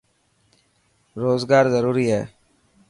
روزگار ضروري هي.